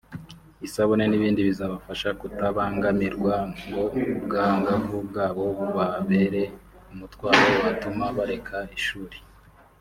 isabune n’ibindi bizabafasha kutabangamirwa ngo ubwangavu bwabo bubabere umutwaro watuma bareka ishuri